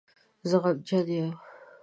زه غمجن یم